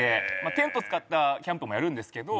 テント使ったキャンプもやるんですけど。